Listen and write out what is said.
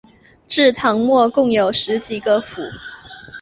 至唐末共有十几个府。